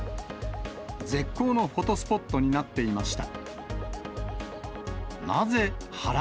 絶好のフォトスポットになっていました。